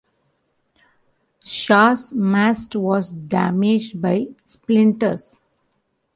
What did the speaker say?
"Shah"s mast was damaged by splinters.